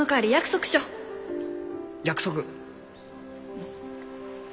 うん。